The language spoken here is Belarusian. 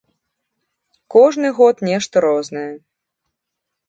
Кожны год нешта рознае.